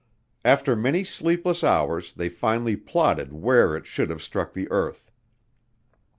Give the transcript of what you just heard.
After many sleepless hours they finally plotted where it should have struck the earth.